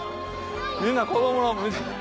みんな子供らも。